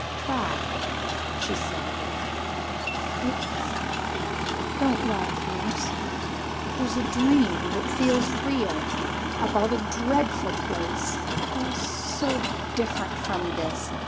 "Try," she said again. "It's ... don't laugh, Nurse. There's a dream that feels real about a dreadful place oh, so different from this.